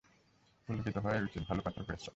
পুলকিত হওয়াই উচিৎ, ভালো পাথর পেয়েছ।